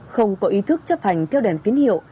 không có ý thức chấp hành theo đèn tín hiệu